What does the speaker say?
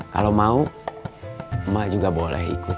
kalau mau emak juga boleh ikut